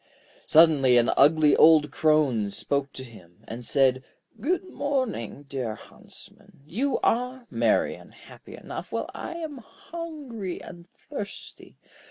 Suddenly an ugly old Crone spoke to him, and said: 'Good morning, dear Huntsman; you are merry and happy enough, while I am hungry and thirsty.